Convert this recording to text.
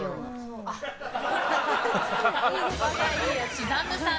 スザンヌさん